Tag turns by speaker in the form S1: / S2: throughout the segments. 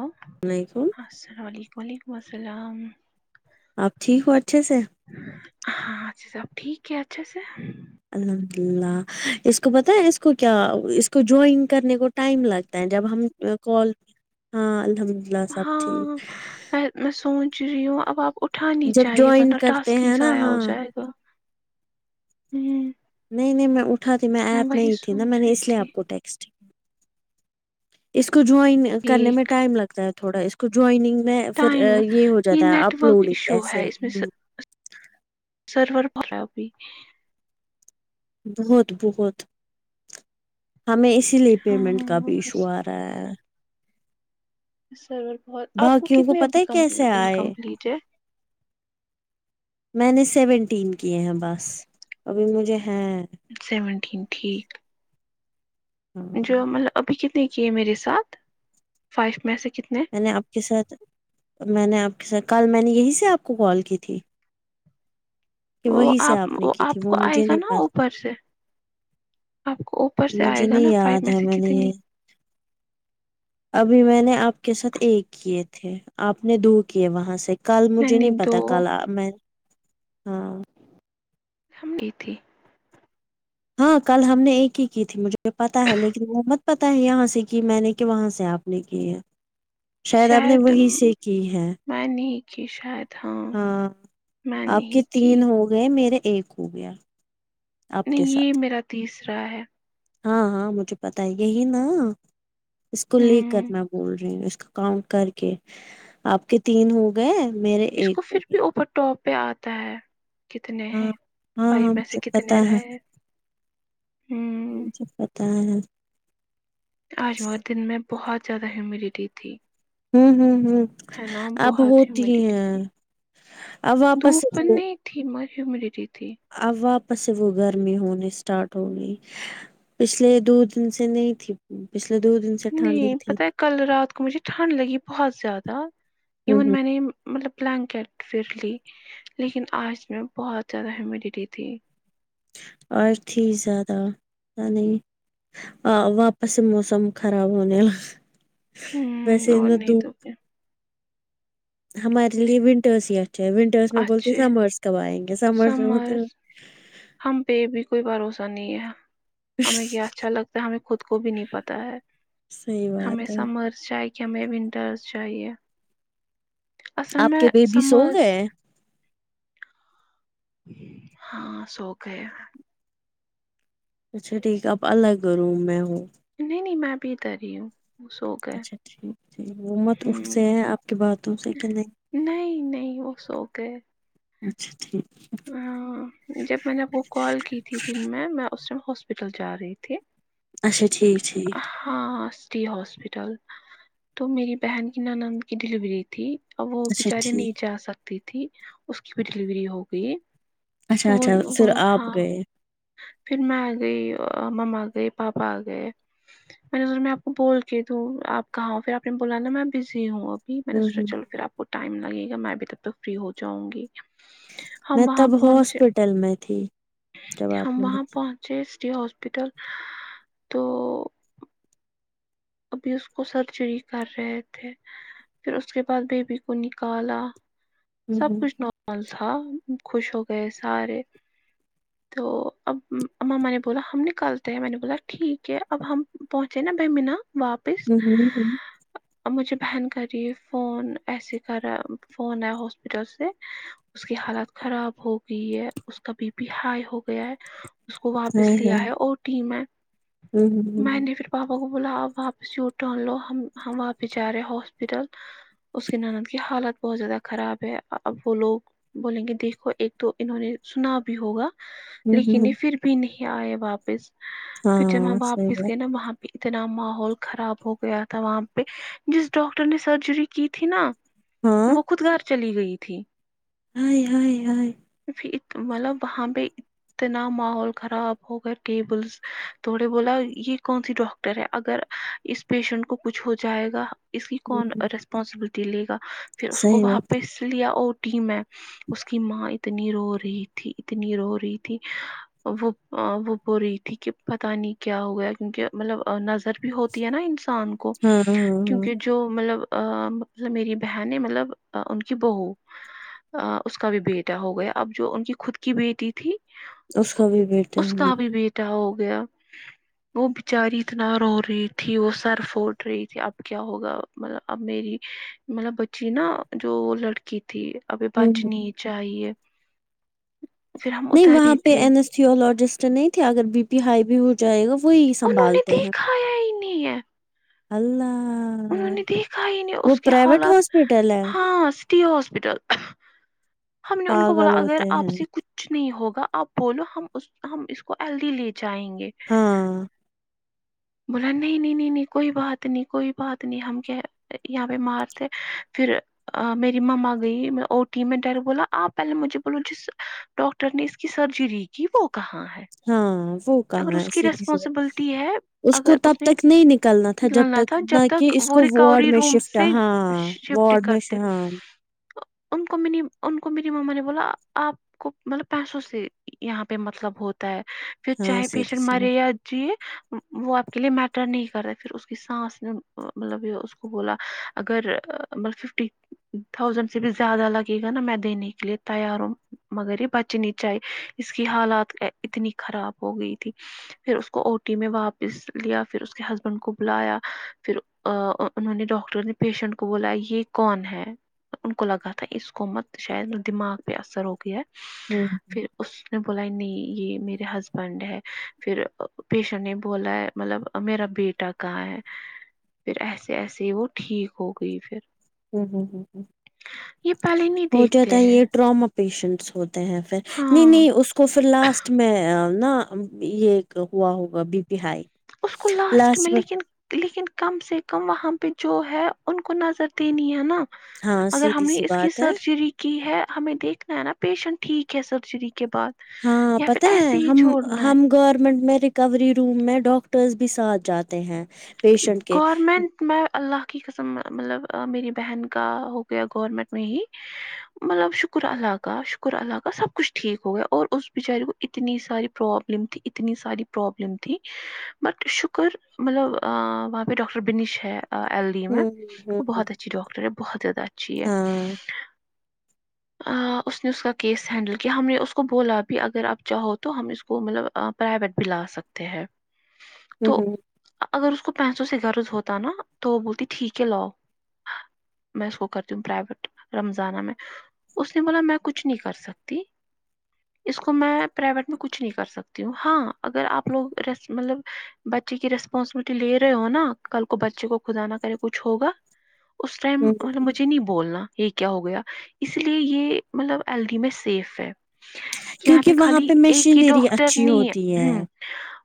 S1: آں
S2: نہیں تو
S1: السلام علیکم و علیکم السلام
S2: آپ ٹھیک ہو اچھے سے
S1: ہاں اچھا سب ٹھیک ہے اچھے سے
S2: الحمد اللہ اس کو پتہ ہے اس کو کیا اس کو جوائن کرنے کو ٹائم لگتا ہے جب ہم کال ہاں الحمد اللہ سب
S1: ہاں
S2: ٹھیک
S1: میں سوچ رہی ہوں اب آپ اٹھ اٹھانی
S2: جب
S1: چاہیے
S2: جوائن
S1: ورنہ
S2: کرتے
S1: ٹاسک ہی
S2: ہیں نا
S1: ضائع ہو
S2: ہاں
S1: جائے گا ہمم
S2: نہیں نہیں میں اٹھا تھی میں ایپ میں ہی تھی نا میں
S1: سوچ
S2: نے
S1: رہی
S2: اس لیے
S1: تھی
S2: آپ کو ٹیکسٹ اس کو جوائن کرنے میں
S1: ایک
S2: ٹائم لگتا ہے تھوڑا اس جوائننگ میں پھر
S1: ٹائم
S2: یہ ہو جاتا ہے
S1: نیٹ ورک
S2: اپلوڈنگ
S1: ایشو
S2: ایسے
S1: ہے اس میں سرور بلا اب بھی
S2: بہت بہت ہمیں اسی لیے پیمنٹ کا
S1: ہاں
S2: بھی ایشوآرا اے
S1: سرور بہت آپ کو
S2: باقیوں
S1: کتنے
S2: پتا
S1: ابھی
S2: ہے
S1: کم
S2: کیسے آئے
S1: انکمپلیٹ ہے
S2: میں نے سیونٹین کیے ہیں بس ابھی مجھے ہیں
S1: سیونٹین ٹھیک
S2: ہاں
S1: جو مطلب ابھی کتنے کی ہے میرے ساتھ فائف میں ایسے کتنے
S2: میں نے آپ کے ساتھ میں نے آپ کے ساتھ کل میں نے یہیں سے آپ کو کال کی تھی کہ
S1: وہ
S2: وہی سے
S1: آپ
S2: نے
S1: وہ
S2: کی تھی
S1: آپ کو آئے
S2: مجھے
S1: گا
S2: نہیں
S1: نا
S2: پتا
S1: اوپر سے آپ کو اوپر سے
S2: مجھے
S1: آئے گا
S2: نہیں
S1: نا فائفی
S2: یاد
S1: میں
S2: ہے نے
S1: کتنی
S2: یہ ابھی میں نے آپ کے ساتھ ایک کیے تھے آپ نے دو کیے وہاں سے کل
S1: میں
S2: مجھے
S1: نے
S2: نہیں
S1: دو
S2: پتا کل میں ہاں
S1: ہم کی تھی
S2: ہاں کل ہم نے ایک ہی کی تھی مجھے پتا ہے لیکن وہ مت پتا ہے یہاں سے کہ میں نے کہ وہاں سے آپ ایک ہی ہے آپ نے
S1: شاید
S2: وہی سے کی ہے
S1: میں نے کی شاید ہاں میں
S2: آپ کے
S1: نہیں کی
S2: تین ہو گئے میرا ایک ہو گیا آپ کے
S1: نہیں یہ
S2: ساتھ
S1: میرا تیسرا ہے
S2: ہاں ہاں مجھے پتا یہی نا اس کو لے کر
S1: ہوں
S2: میں بول رہی ہوں اس کا کاؤنٹ کر کے آپ کے تین ہو گئے میرے
S1: اس
S2: ایک
S1: کو
S2: ہو
S1: پھر
S2: گئے
S1: بھی اوپرٹاپ پہ آتا ہے کتنے
S2: ہاں
S1: ہیں
S2: ہاں
S1: فائف
S2: ہاں
S1: میں سے
S2: مجھے پتا
S1: کتنے
S2: ہے
S1: رہے ہیں ہوں
S2: ہاں
S1: آج مگر دن میں بہت زیادہ ہیمیڈیٹی تھی
S2: ہوں ہ ہوں
S1: ہے نا
S2: اب
S1: بہت
S2: ہوتی
S1: ہیومیڈیٹی
S2: ہیں
S1: تھی
S2: اب واپس
S1: دھوپ نہیں تھی مر ہیمیڈیٹی تھی
S2: اب واپس سے وہ گرمی ہونے اسٹارٹ ہو گئی پچھلے دو دن سے نہیں تھی پچھلے دو دن سے ٹھنڈ
S1: نہیں
S2: ہی تھی
S1: پتہ ہے کل رات کو مجھے ٹھنڈ لگی بہت زیادہ
S2: ہوں
S1: ایون
S2: ہوں
S1: میں نے مطلب بلینکیٹ پھر لی لیکن آج میں بہت زیادہ ہیمیڈیٹی تھی
S2: اور تھی زیادہ نہیں آ واپس موسم خراب ہوں نے
S1: ہوں اور نہیں تو کیا
S2: ہمارے لیے ونٹرس ہی اچھے ہے ونٹرس میں بولتی
S1: اچھے
S2: سمرس کب آئیں گے سمرس میں بولتے
S1: سمر ہم پہ بھی کوئی بھروسہ نہیں ہے ہمیں کیا اچھا لگتا ہے ہمیں خود کو بھی نہیں پتا ہے
S2: صحیح
S1: ہمیں
S2: بات ہے
S1: سمر کہ ہم ونٹرس چاہیے اصل
S2: آپ
S1: میں
S2: کے بیبی سو
S1: سمرس
S2: گئے
S1: ہاں سو گۓ
S2: اچھا ٹھیک ہے اب الگ روم میں ہوں
S1: نہیں نہیں میں بھیت رہی ہوں وہ سو گئے
S2: اچھا ٹھیک وہ مت اس سے
S1: ہوں
S2: ہے آپ کی باتوں سے کہ نہیں
S1: نہیں نہیں وہ سو گئے
S2: اچھا ٹھیک ہے
S1: ہ جب میں نے وہ کال کی تھی دن میں میں اس ٹائم ہاسپٹل جا رہی تھی
S2: اچھا ٹھیک ٹھیک
S1: ہاں اسٹی ہاسپٹل تو میری بہن کی نانند کی ڈیلیوری تھی وہ
S2: اچھا
S1: بچاری
S2: ٹھیک
S1: نہیں جا سکتی تھی اس کی بھی ڈیلیوری ہو گئی
S2: اچھا
S1: تو
S2: اچھا پھر آپ
S1: ہاں
S2: گئے
S1: پھر میں آ گئی مما آ گئی پاپا آ گئے میں نے میں آپ کو بول کے دوں آپ کہاں ہو پھر آپ نے بولا نا میں بزی ہوں اب جی میں نے
S2: ہوں
S1: سوچا
S2: ہوں
S1: چل پھر آپ کو ٹائم لگے گا میں اب تب تک فری ہو جاؤں گی ہم
S2: میں
S1: وہاں
S2: تب
S1: پہنچے
S2: ہاسپٹل میں تھی جب
S1: ہم
S2: آپ نے
S1: وہاں
S2: ہوں
S1: پہنچ ہاسپٹل تو ابھی اس کو سرجری کر رہے تھے پھر اس کے بعد بیبی کو نکالا سب
S2: ہوں
S1: کچھ نومل تھا خوش ہو گئے سارے تو اب اماماں نے بولا ہم نکالتے ہیں میں نے بولا ٹھیک ہے اب ہم پہنچے نا بمینہ واپس
S2: ہ ہ ہ
S1: مجھے بہن کری فون ایسے کرا فون آیا ہاسپٹل سے اس کی حالت خراب ہو گئی ہے اس کا بی پی ہائی ہو گیا ہے اس کو
S2: ہائے
S1: واپس لیا
S2: ہائے
S1: ہے اور ٹیم ہے
S2: ہوں
S1: میں
S2: ہوں
S1: نے پھر پاپا کو بولا اب واپس ی ٹن لو ہم ہم واپس جا رہے ہاسپٹل اس کی ناند کی حالت بہت زیادہ خراب ہے اب وہ لوگ بولیں گے دیکھو ایک تو انہوں نے سنا بھی ہوگا
S2: ہوں ہوں
S1: لیکن یہ
S2: ہوں
S1: پھر بھی نہیں آئے واپس پھر جب
S2: ہاں
S1: ہم
S2: صحیح
S1: واپس
S2: بات
S1: گئے نا وہاں پہ اتنا ماحول خراب ہو گیا تھا وہاں پہ جس ڈاکٹر نے سرجری کی تھی نا
S2: ہاں
S1: وہ خود گھر چلی گئی تھی
S2: ہا ۓ ہا ۓ
S1: مطلب وہاں پہ تو نہ ماحول خراب ہو گئے کیبلس تھوڑے بولا یہ کون سی ڈاکر ٹر ہے اگر اس پیشنٹ کو کچھ ہو جائے گا اس کی کون
S2: ہوں
S1: ریسپانسبلٹی لے گا پھر اس کو
S2: صحیح میں
S1: واپس لیا او ٹی میں اس کی ماں اتنی رو رہی تھی اتنی رو رہی تھی وہ وہ بول رہی تھی کہ پتہ نہیں کیا ہو گیا کیونکہ مطلب نظر بھی ہوتی ہے نا انسان کو کو
S2: ہاں ہاں ہاں
S1: کیونکہ جو جو مطلب میری بہن ہے مطلب ان کی بہو اس کا بھی بیٹ کیا ہو گیا اب جو ان کی خود کی بیٹی تھی
S2: اس کا بھی بیٹا ہے
S1: اس کا بھی
S2: ہوں
S1: بیٹا ہو گیا وہ بچاری اتنا رو رہی تھی وہ سر پھوڑ رہی تھی اب کیا ہوگا مطلب اب میری مطلب بچی نا جو لڑکی تھی ابھی
S2: ہوں
S1: بچنی چاہیے پھر ہم
S2: نہیں
S1: ادھر
S2: وہاں
S1: ہی
S2: پہ
S1: تھے
S2: ان اس ٹی اولیجست نہیں تھے اگر بی پی ہائی بھی ہو جائے گا وہی
S1: انہوں نے
S2: سنبھالتے ہیں
S1: دیکھایا ہی نہیں ہے
S2: اللہ
S1: انہوں نے دیکھا ہی نہیں اس
S2: وہ
S1: کے
S2: پرائیویٹ
S1: حالات
S2: ہاسپٹل ہے
S1: ہاں سٹی ہاسپٹل ہم نے ان کو بولا
S2: پاگل
S1: اگر
S2: ہوتے
S1: آپ
S2: ہیں
S1: سے کچھ کچھ نہیں ہوگا آپ بولو ہم ہم اس کو ہلدی لے جائیں گے
S2: ہاں
S1: بولا نہیں نہیں نہیں نہیں کوئی بات نہیں کوئی بات نہیں ہم کہ یہاں پہ مارتے پھر میری ممما گئی ا ٹی میں ڈر بولا آپ پہلے مجھے بولو جس ڈاکٹر نے اس کی سرجری کی وہ کہاں ہے
S2: ہاں وہ کہاں
S1: اگر
S2: ہے
S1: اس کی
S2: سیدھی سور
S1: ریسپانسبلٹی ہے
S2: اس کو
S1: اگر
S2: تب
S1: نے
S2: تک نہیں نکلنا تھا جب
S1: نکالنا
S2: تک نہ
S1: جب
S2: کہ
S1: تک
S2: اس
S1: وہ
S2: کو وارڈ
S1: ریکوری
S2: میں
S1: روم
S2: شفٹ
S1: سے
S2: ہاں
S1: شفٹ
S2: وارڈ میں
S1: کرتے
S2: ہاں
S1: ان کو میری ان کو میری ماما نے بولا آپ کو مطلب پیسوں سے یہاں پہ مطلب ہوتا ہے پھر
S2: ہاں
S1: چاہے
S2: سیدھی
S1: پیشنٹ
S2: سی بات
S1: مرے یا جئے وہ آپ کے لیے میٹر نہیں کرتا پھر اس کی سانس مطلب بولا اگر مطلب ففٹی ٹھوسند سے بھی زیادہ لگے گا نا میں دینے کے لیے تیار ہوں مگر یہ بچنی چاہیے اس کی حالات اتنی خراب ہوگیی تھی پھر اس کو اوٹی میں واپس لیا پھر اس کے ہسبنڈ بلایا انہوں نے ڈاکٹر نے پیشنٹ کو بولا یہ کون ہے ان کو لگا تھا اسکومت شاید دماگ پے اثر ہوگیا ہے
S2: [inaudible]
S1: اسنے بولا ہے نئی یہ میرے ہس بنڈ ہے پھر پیشنٹ نے بولا ہے مطلب میرا بیٹا کہاں ہے پھر ایسے ایسے ہی وہ ٹھیک ہو گئی پھر
S2: ہ ہ ہ ہ
S1: یہ پہلے نہیں
S2: ہو جاتا
S1: دیکھتے
S2: ہے
S1: ہیں
S2: یہ ڈرام پیشنٹس ہوتے ہیں پھر نہیں
S1: ہاں
S2: نہیں اس کو پھر لاسٹ میں نا یہ اک ہوا ہوگا بی پی ہائی
S1: اس کو لاسٹ میں لیکن لیکن کم سے کم وہاں پہ جو ہے ان کو نظر دینی ہے نا
S2: ہاں
S1: اگر
S2: سیدھی
S1: ہم نے
S2: سی
S1: اس کی
S2: بات ہے
S1: سرجری کی ہے ہمیں دیکھنا ہے نا پیشنٹ ٹھیک ہے سرجری کے بعد
S2: ہاں
S1: یا پھر
S2: پتا ہے
S1: ایسے ہی
S2: ہم
S1: چھوڑنا ہے
S2: ہم گورنمنٹ میں ریکوری روم میں ڈاکٹرس بھی ساتھ جاتے ہیں پیشنٹ کے
S1: گورمنٹ میں اللہ کی قسم مطلب میری بہن کا ہو گیا گورنمنٹ میں ہی مطلب شکر اللہ کا شکر اللہ کا سب کچھ ٹھیک ہو گیا اور اس بیچارے کو اتنی ساری پرابلم تھی اتنی ساری پرابلم تھی بٹ شکر مطلب آآں وہاں پہ ڈاکٹر بنیش ہے آ ایل ڈی میں
S2: ہوں ہ
S1: وہ
S2: ہ
S1: بہت اچھی ڈاکٹر ہے بہت زیادہ اچھی ہے
S2: ہاں
S1: آآں اس نے اس کا کیس ہینڈل کیا ہم نے اس کو بولا بھی اگر آپ چاہو تو ہم اس کو مطلب آ پرائیویٹ بھی لا سکتے ہیں تو
S2: [unintelligible]
S1: اگر اس کو پیسوں سے غرض ہوتا نا تو وہ بولتی ٹھیک ہے لاؤ میں اس کو کرتی ہوں پرائیویٹ رمضانہ میں اس نے بولا میں کچھ نہیں کر سکتی اس کو میں پرائیویٹ میں کچھ نہیں کر سکتی ہوں ہاں اگر آپ لوگ ریس مطلب بچے کی ریس پانسیبلئٹی لے رہے ہو نا کل کو بچے کو خدا نہ کرے کچھ ہوگا اس ٹائم
S2: ہ
S1: مطلب بچ مجھے نہیں بولنا یہ کیا ہو گیا اس لیے یہ مطلب ایل ڈی میں سیف ہے یہاں پہ
S2: کیونکہ وہاں
S1: خالی ایک ہی
S2: مشینری
S1: ڈاکٹر
S2: اچھی
S1: نہیں ہے
S2: ہوتی
S1: اہمم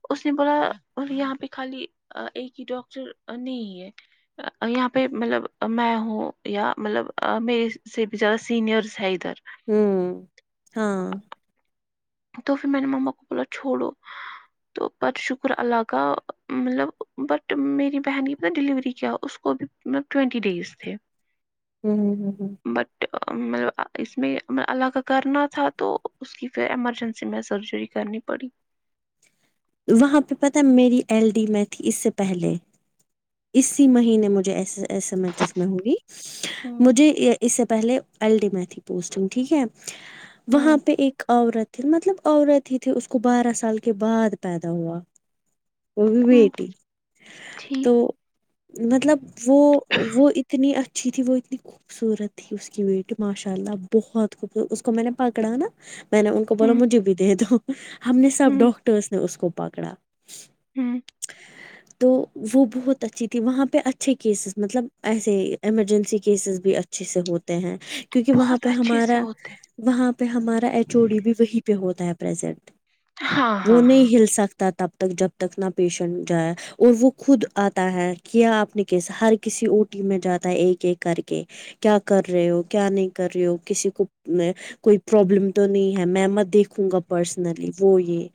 S1: اس نے بولا یہاں پہ خالی ایک ہی ڈاکٹر نہیں ہے یہاں پہ مطلب میں ہوں یا مطلب آ میرے سے زیادہ سینئرس ہے ادھر
S2: ہوں ہاں
S1: تو پھر میں نے مما کو بولا چھوڑو تو بٹ شکر اللہ کا مطلب بٹ میری بہن کی ڈلیوری کیا اس کو بھی مطلب ٹوینٹی ڈیز تھے
S2: ہوں ہوں ہوں
S1: بٹ مطلب آ اس میں میں اللہ کا کرنا تھا تو اس کی پھر ایمر جنسی میں سرجری کرنی پڑی
S2: وہاں پہ پتہ میری ایل ڈی میں تھی اس سے پہلے اسی مہینے مجھے ایسے ایسے ایمرجنسی میں ہوئی
S1: ہوں
S2: مجھے یہ اس سے پہلے ایل ڈی میں تھی پوسٹنگ ٹھیک ہے وہاں
S1: ہوں
S2: پہ ایک عورت مطلب عورت ہی تھی اس کو بارہ سال کے بعد پیدا ہوا وہ بھی
S1: ہوں
S2: بیٹی تو
S1: ٹھیک
S2: مطلب وہ وہ اتنی اچھی تھی وہ اتنی خوبصورت تھی اس کی بیٹی ماشاء اللہ بہت خوبصورت اس کو میں نے پکڑا نا میں نے ان کو بولا
S1: ہوں
S2: مجھے بھی دے دو ہم نے سب
S1: ہوں
S2: ڈاکٹرس نے اس کو پکڑا
S1: ہوں
S2: تو وہ بہت اچھی تھی وہاں پہ اچھے کیسز مطلب ایسے ایمرجنسی کیسز بھی اچھے سے ہوتے ہیں کیونکہ وہاں
S1: بہت
S2: پہ
S1: اچھے سے
S2: ہمارا
S1: ہوتے
S2: وہاں پہ ہمارا ایچو ڈی بھی وہیں پہ ہوتا ہے پرزینٹ
S1: ہاں
S2: وہ
S1: ہاں ہاں
S2: نہیں ہل سکتا تب تک جب تک نہ پیشنٹ جائے اور وہ خود آ تا ہے کیا آپ نے کیسے ہر کسی او ٹی میں جاتا ہے ایک ایک کر کے کیا کر رہے ہو کیا نہیں کر رہے ہو کسی کو میں کوئی پرابلم تو نہیں ہے میں میں دیکھوں گا پرسنلی وہ یہ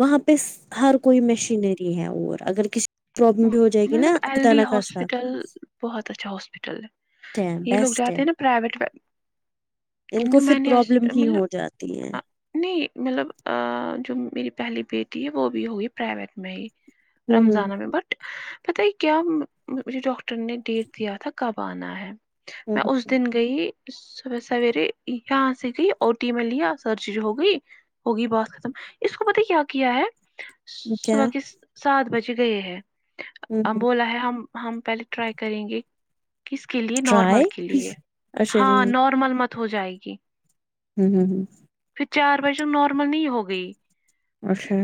S2: وہاں پہ ہر کوئی مشینری ہے اور اگر کسی پرابلم بھی ہو جائے گی
S1: مطلب
S2: نا
S1: ایل
S2: خدا نہ
S1: ڈی
S2: خاصہ
S1: ہاسپٹل بہت اچھا ہاسپٹل ہے
S2: ہے
S1: یہ لوگ
S2: بیسٹ ہے
S1: جاتے ہیں نا پرائیویٹ [unintelligible]
S2: ان کو پھر پرابلم ہی ہو
S1: مطلب
S2: جاتی ہے
S1: نہیں مطلب آآآ جو میری پہلی بیٹی ہے وہ بھی ہوئی پرائیویٹ میں ہی
S2: ہوں ہوں
S1: رمضانہ میں بٹ پتہ ہے کیا مم مجھے ڈاکٹر نے ڈیٹ دیا تھا کب آنا ہے
S2: ہوں
S1: میں
S2: ہوں
S1: اس دن گئی صبح سویرے یہاں سے گئی او ٹی میں لیا سرجری ہو گئی ہوگئی بات ختم اس کو پتہ ہے کیا کیا ہے
S2: کیا
S1: صبح کے سات بجے گئے ہے ام بولا ہے ہم ہم پہلے ٹرائی کریں گے کس کے لیے نارمل
S2: ٹرائی
S1: کے لیے
S2: اچھا جی
S1: ہاں نارمل مت ہو جائے گی
S2: ہمم
S1: پھر چار بجے نارمل نہیں ہو گئی
S2: اچھا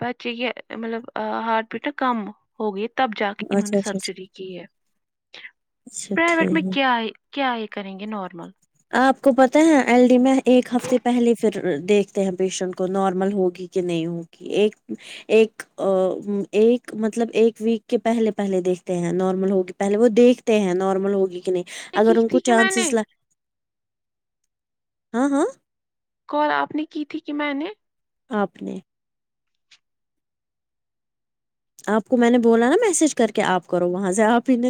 S1: بچئیں مطلب ہارٹ بیٹ نہ کم ہو گئی ہے تب جا کے انہوں
S2: اچھا
S1: نے
S2: اچھا اچھا
S1: سرجری
S2: اچھا
S1: پرائیویٹ میں
S2: ٹھیک
S1: کیا کیا یہ کریں گے نارمل
S2: آپ کو پتہ ہے ایل ڈی میں ایک ہفتے پہلے پھر دیکھتے ہیں پیشنٹ کو نارمل ہوگی کہ نہیں ہوگی ایک ایک ایک مطلب ایک ویک کے پہلے پہلے دیکھتے ہیں نارمل ہوگ پہلے وہ دیکھ ہیں نارمل ہوگی کہ نہیں
S1: کی
S2: اگر ان کو
S1: تھی کہ میں نے
S2: چانسزل ہاں ہاں
S1: کال آپ نے کی تھی کہ میں نے
S2: آپ نے آپ کو میں نے بولا نا میسج کر کے آپ کرو وہاں سے آپ ہی